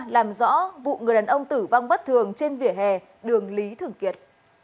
làm rõ vụ người đàn ông tử vong bất thường trên vỉa hè đường lý thường kiệt